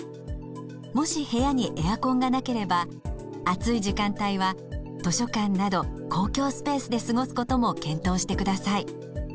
もし部屋にエアコンがなければ暑い時間帯は図書館など公共スペースで過ごすことも検討してください。